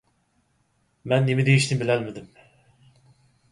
مەن نېمە دېيىشنى بىلەلمىدىم.